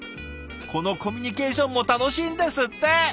このコミュニケーションも楽しいんですって！